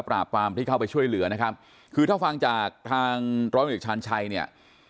ความที่เข้าไปช่วยเหลือนะครับคือถ้าฟังจากทางร้อยเอกชาญชัยเนี่ย